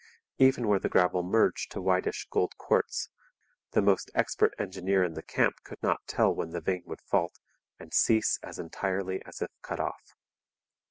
Even where the gravel merged to whitish gold quartz, the most expert engineer in the camp could not tell when the vein would fault and cease as entirely as if cut off.